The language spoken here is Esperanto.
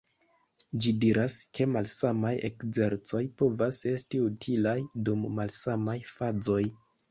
Ĝi diras, ke malsamaj ekzercoj povas esti utilaj dum malsamaj fazoj.